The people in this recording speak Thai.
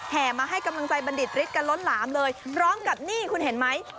แห่มาให้กำลังใจบรรดิษฐ์กันล้นล้ามเลยร้องกับนี่คุณเห็นไหม